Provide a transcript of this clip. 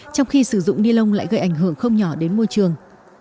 trong khi sử dụng ni lông lại gây ảnh hưởng không nhỏ đến môi trường